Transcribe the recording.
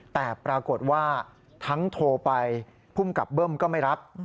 แต่ปรากฏว่าทั้งโทรไปภูมิกับเบิ้มก็ไม่รับ